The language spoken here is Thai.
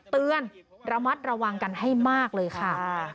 เตือนระมัดระวังกันให้มากเลยค่ะ